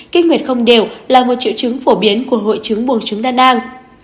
kích nguyệt không đều là một triệu trứng phổ biến của hội trứng bùng trứng đa nang